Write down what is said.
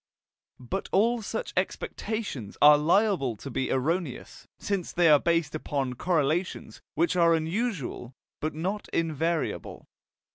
But all such expectations are liable to be erroneous, since they are based upon correlations which are usual but not invariable.